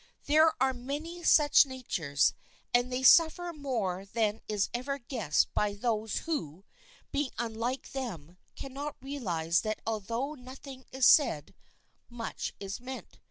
There are many such natures, and they suffer more than is ever guessed by those who, being unlike them, cannot realize that although nothing is said, much is meant.